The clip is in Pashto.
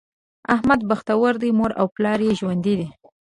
احمد بختور دی؛ مور او پلار یې ژوندي دي.